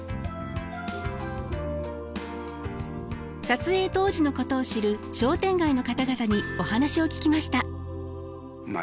撮影当時のことを知る商店街の方々にお話を聞きました。